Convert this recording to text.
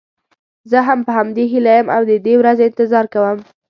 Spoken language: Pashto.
زه هم په همدې هیله یم او د دې ورځې انتظار کوم.